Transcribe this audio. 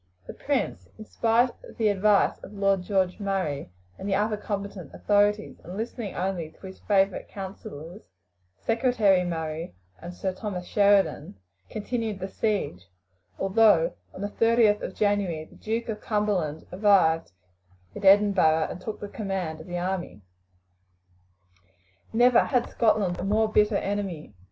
The prince, in spite of the advice of Lord George Murray and the other competent authorities, and listening only to his favourite councillors, Secretary Murray and Sir Thomas Sheridan, continued the siege, although on the 30th of January the Duke of Cumberland arrived in Edinburgh and took the command of the army. Never had Scotland a more bitter enemy.